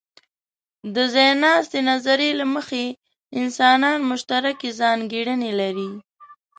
د ځایناستې نظریې له مخې، انسانان مشترکې ځانګړنې لري.